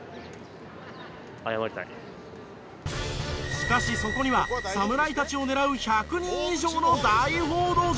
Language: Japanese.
しかしそこには侍たちを狙う１００人以上の大報道陣。